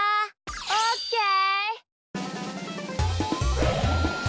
オッケー！